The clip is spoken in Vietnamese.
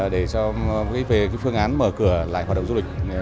để cho về cái phương án mở cửa lại hoạt động du lịch